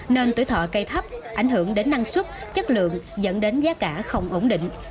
nên tuổi thọ cây thấp ảnh hưởng đến năng suất chất lượng dẫn đến giá cả không ổn định